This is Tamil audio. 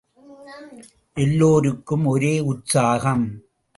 எல்லோருக்கும் ஒரே உற்சாகம்.